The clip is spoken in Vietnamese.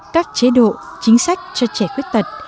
các chế độ chính sách cho trẻ khuyết tật